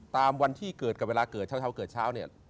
ตามวันที่เกิดกับเวลาเกิดเช้าเกิดเช้าเนี่ย